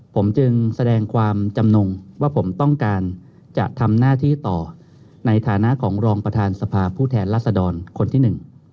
ผมจึงแสดงความจำนงว่าผมต้องการจะทำหน้าที่ต่อในฐานะของรองประธานสภาผู้แทนรัศดรคนที่หนึ่ง